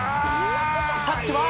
タッチは？